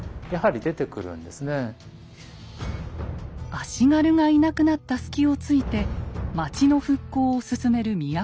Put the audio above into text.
足軽がいなくなった隙をついて町の復興を進める都の人たち。